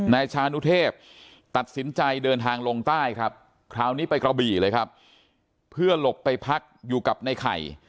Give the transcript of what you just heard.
นายชานุเทพตัดสินใจเดินทางลงใต้ครับคราวนี้ไปกระบี่เลยครับเพื่อหลบไปพักอยู่กับในไข่